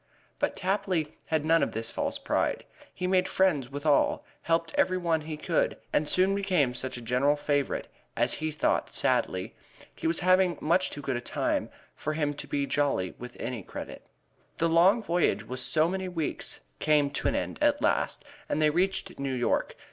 But Tapley had none of this false pride. He made friends with all, helped every one he could and soon became such a general favorite that (as he thought sadly) he was having much too good a time for him to be jolly with any credit. The long voyage of so many weeks came to an end at last, and they reached New York.